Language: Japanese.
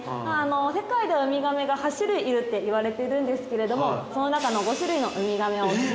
世界ではウミガメが８種類いるっていわれてるんですけれどもその中の５種類のウミガメを飼育展示していて。